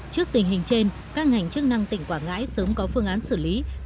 trước tình hình trên các ngành chức năng tỉnh quảng ngãi sớm có phương án xử lý